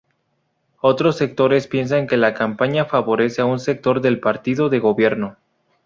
Otros sectores piensan que la campaña favorece a un sector del partido de gobierno.